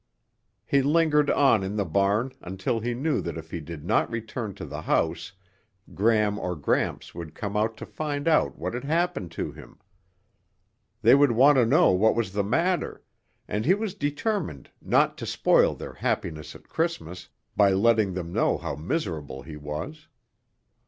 He lingered on in the barn until he knew that if he did not return to the house Gram or Gramps would come out to find out what had happened to him. They would want to know what was the matter, and he was determined not to spoil their happiness at Christmas by letting them know how miserable he was.